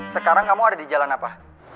sekarang kamu ada di jalan apa